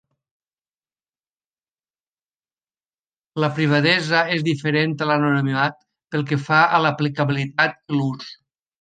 La privadesa és diferent a l'anonimat pel que fa a l'aplicabilitat i l'ús.